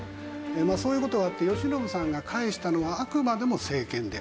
まあそういう事があって慶喜さんが返したのはあくまでも政権であって。